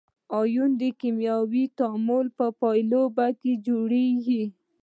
ایون د کیمیاوي تعامل په پایله کې جوړیږي.